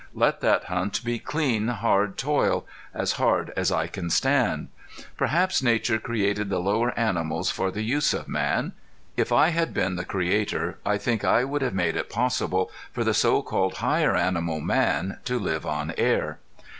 Let that hunt be clean hard toil, as hard as I can stand! Perhaps nature created the lower animals for the use of man. If I had been the creator I think I would have made it possible for the so called higher animal man to live on air.